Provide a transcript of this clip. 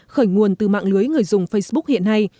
khởi nguồn từ mạng lưới người dùng facebook hiện nay